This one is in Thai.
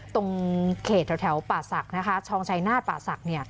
ตรงเขตแถวป่าสักนะคะชองชายนาดป่าสักเนี่ย